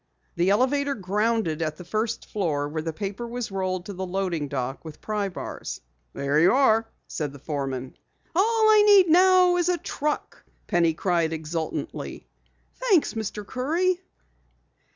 The elevator grounded at the first floor where the paper was rolled to the loading dock with pry bars. "There you are," said the foreman. "All I need now is a truck," Penny cried exultantly. "Thanks, Mr. Curry!"